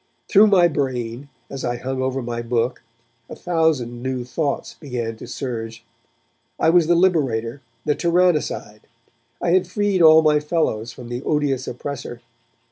Through my brain, as I hung over my book a thousand new thoughts began to surge. I was the liberator, the tyrannicide; I had freed all my fellows from the odious oppressor.